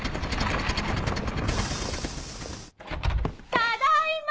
ただいま！